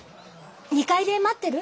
２階で待ってる？